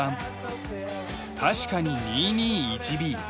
確かに２２１Ｂ！